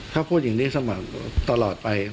ถ้าพูดอย่างนี้เสมอตลอดไป